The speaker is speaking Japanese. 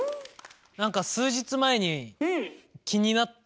なんか数日前に気になって。